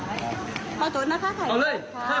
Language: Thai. เติ้ลอย่างใจมึงใจกูเป็นข้าราคา